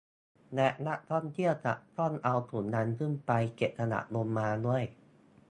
และนักท่องเที่ยวจะต้องเอาถุงดำขึ้นไปเก็บขยะลงมาด้วย